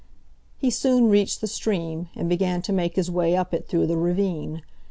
He soon reached the stream, and began to make his way up it through the ravine.